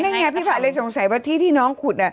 นั่นไงพี่ผัดเลยสงสัยว่าที่ที่น้องขุด